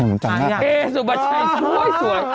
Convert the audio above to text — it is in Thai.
เทยมหรอเทยมจำอะไรอะอะเอ๊สุบัติชัยสวย